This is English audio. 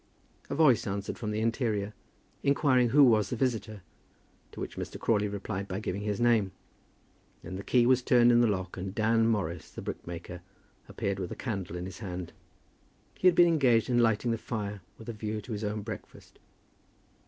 A voice answered from the interior, inquiring who was the visitor, to which Mr. Crawley replied by giving his name. Then the key was turned in the lock, and Dan Morris, the brickmaker, appeared with a candle in his hand. He had been engaged in lighting the fire, with a view to his own breakfast.